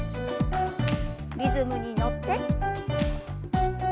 リズムに乗って。